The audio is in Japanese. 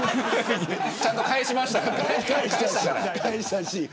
ちゃんと返しましたからね。